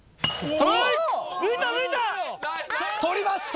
取りました！